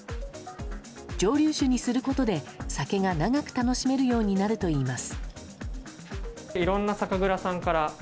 蒸留酒にすることで、酒を長く楽しめるようになるといいます。